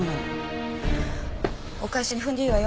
お返しに踏んでいいわよ。